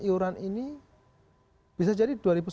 iuran ini bisa jadi